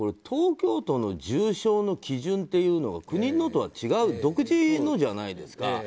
東京都の重症の基準というのは国のとは違う独自のじゃないですか。